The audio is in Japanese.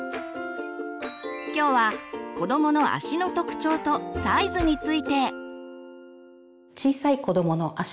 今日は子どもの足の特徴とサイズについて。